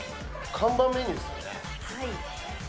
看板メニューですよね。